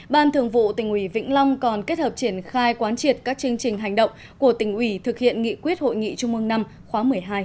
ban thường vụ tỉnh ủy vĩnh long còn kết hợp triển khai quán triệt các chương trình hành động của tỉnh ủy thực hiện nghị quyết hội nghị trung mương năm khóa một mươi hai